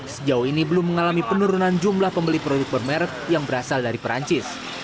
sejauh ini belum mengalami penurunan jumlah pembeli produk bermerek yang berasal dari perancis